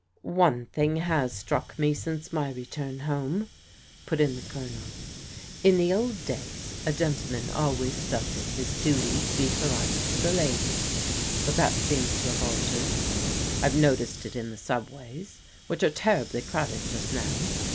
" One thing has struck me since my return home," put in the Colonel. " In the old days a gentleman always felt it his duty to be polite to ladies; but that seems to have altered. I've noticed it in the subways, which are terribly crowded just now.